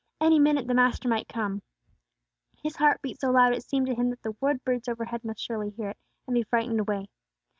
Any minute the Master might come. His heart beat so loud it seemed to him that the wood birds overhead must surely hear it, and be frightened away.